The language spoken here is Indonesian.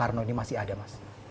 karno ini masih ada mas